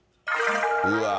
うわー。